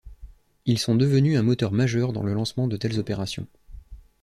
Ils sont devenus un moteur majeur dans le lancement de telles opérations.